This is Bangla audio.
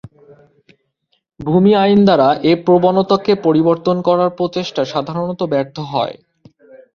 ভূমি আইন দ্বারা এ প্রবণতাকে পরিবর্তন করার প্রচেষ্টা সাধারণত ব্যর্থ হয়।